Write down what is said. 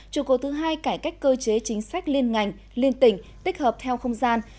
trụ cột thứ hai cải cách cơ chế chính sách liên ngành liên tỉnh tích hợp theo không gian